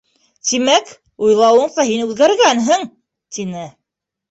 —Тимәк, уйлауыңса, һин үҙгәргәнһең? —тине.